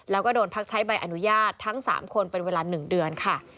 แล้วก็โดนพักใช้ใบอนุญาตทั้ง๓คนเป็นเวลา๑เดือนค่ะ